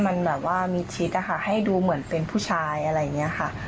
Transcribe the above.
มันแบบว่ามิดชิดนะคะให้ดูเหมือนเป็นผู้ชายอะไรอย่างนี้ค่ะ